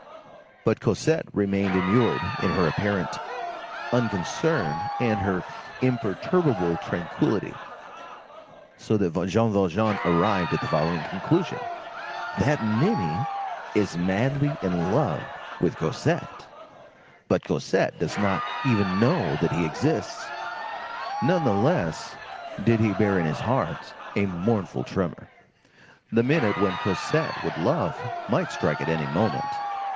But Cosette remained immured in her apparent unconcern and in her imperturbable tranquillity, so that Jean Valjean arrived at the following conclusion: "That ninny is madly in love with Cosette, but Cosette does not even know that he exists." Nonetheless did he bear in his heart a mournful tremor. The minute when Cosette would love might strike at any moment.